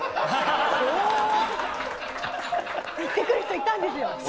言ってくる人いたんですよ。